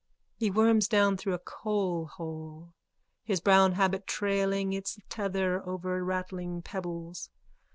_(He worms down through a coalhole, his brown habit trailing its tether over rattling pebbles.